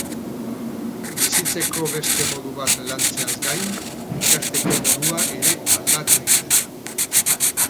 Bizitzeko beste modu bat lantzeaz gain, ikasteko modua ere aldatu egiten da.